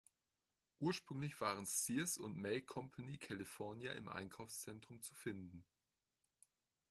Ursprünglich waren Sears und May Company California im Einkaufszentrum zu finden.